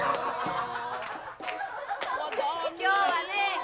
今日はね